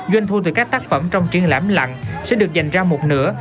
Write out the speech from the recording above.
doanh thu từ các tác phẩm trong triển lãm lặng sẽ được dành ra một nửa